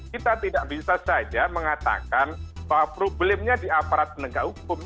kita tidak bisa saja mengatakan bahwa problemnya di aparat penegak hukum